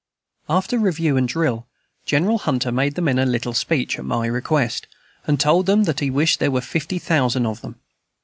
After review and drill, General Hunter made the men a little speech, at my request, and told them that he wished there were fifty thousand of them.